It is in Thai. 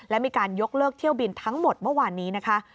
และมีการยกเลิกเที่ยวบินทั้งหมดเมื่อวานนี้นะคะ